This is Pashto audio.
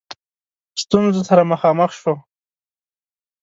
ستونزو سره مخامخ شو.